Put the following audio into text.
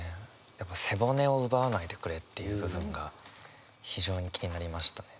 やっぱ「背骨を、奪わないでくれ」っていう部分が非常に気になりましたね。